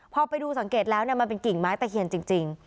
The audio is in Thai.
พอไปดูสังเกตแล้วมันเป็นกิ่งไม้ตะเคียนจริง